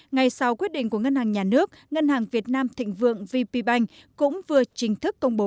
ngày sau quyết định của ngân hàng nhà nước ngân hàng việt nam thịnh vượng vp bank cũng vừa chính thức công bố